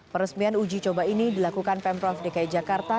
peresmian uji coba ini dilakukan pemprov dki jakarta